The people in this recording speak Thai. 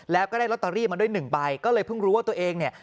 แล้วก็ได้ลอตเตอรี่มาด้วยหนึ่งใบก็เลยเพิ่งรู้ว่าตัวเองเนี่ย